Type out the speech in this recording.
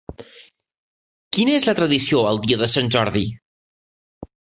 Quina és la tradició el dia de Sant Jordi?